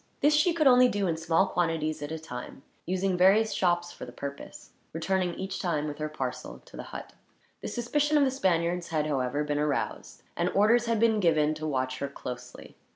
This she could only do in small quantities at a time, using various shops for the purpose; returning each time, with her parcel, to the hut. The suspicion of the Spaniards had, however, been aroused; and orders had been given to watch her closely.